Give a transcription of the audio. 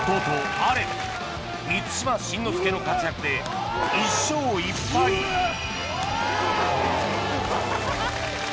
阿蓮満島真之介の活躍で１勝１敗ハハハハ！